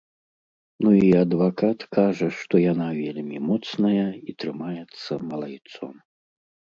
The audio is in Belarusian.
Ну і адвакат кажа, што яна вельмі моцная і трымаецца малайцом.